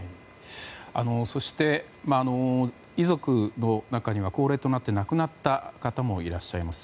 そして遺族の中には高齢となって亡くなった方もいらっしゃいます。